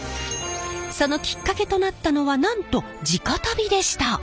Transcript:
そのきっかけとなったのはなんと地下足袋でした。